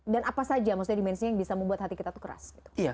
dan apa saja dimensinya yang bisa membuat hati kita keras